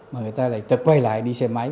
và người ta lại tập quay lại đi xe máy